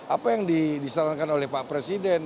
apa yang disarankan oleh pak presiden